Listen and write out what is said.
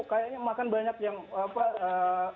kayaknya makan banyak yang apa